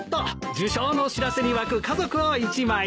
受賞の知らせに沸く家族を一枚。